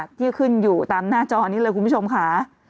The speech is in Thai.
ที่ขึ้นอยู่ตามหน้าจอนี้เลยคุณผู้ชมค่ะ